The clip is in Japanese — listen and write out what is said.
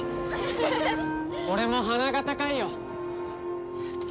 俺も鼻が高いよ。